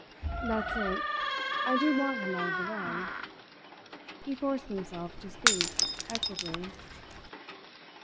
"That's it. I do want him out of the way." He forced himself to speak equably.